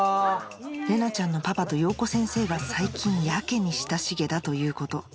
玲奈ちゃんのパパと洋子先生が最近やけに親しげだということ